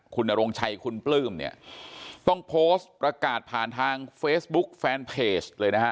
คุณนรงชัยคุณปลื้มเนี่ยต้องโพสต์ประกาศผ่านทางเฟซบุ๊กแฟนเพจเลยนะฮะ